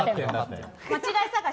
間違え探し？